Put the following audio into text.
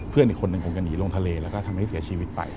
อีกคนหนึ่งคงจะหนีลงทะเลแล้วก็ทำให้เสียชีวิตไป